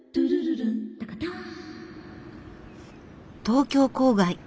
東京郊外。